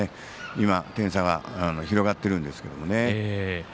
今、点差が広がっているんですけどね。